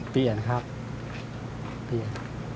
เปลี่ยนครับเปลี่ยน